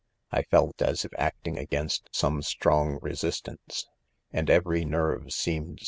I felt as if acting against some strong resistance, and every nerve seemed.